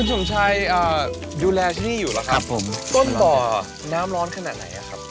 คุณสมชายดูแลที่นี่อยู่แล้วครับครับผมต้นบ่อน้ำร้อนขนาดไหนครับครับ